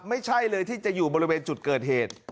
ไม่ใช่เลยที่จะอยู่บริเวณจุดเกิดเหตุ